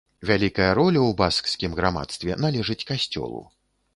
Вялікая роля ў баскскім грамадстве належыць касцёлу.